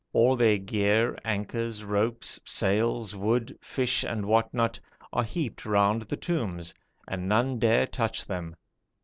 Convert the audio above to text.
All their gear, anchors, ropes, sails, wood, fish, and what not are heaped round the tombs, and none dare touch them.